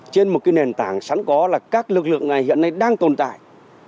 trên một nền tảng sẵn có là các lực lượng này hiện nay đang tồn tại